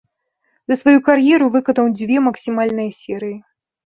За сваю кар'еру выканаў дзве максімальныя серыі.